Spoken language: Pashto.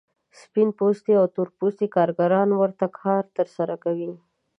سپین پوستي او تور پوستي کارګران ورته کار ترسره کوي